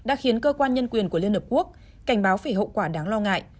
đã khiến cơ quan nhân quyền của liên hợp quốc cảnh báo vì hậu quả đáng lo ngại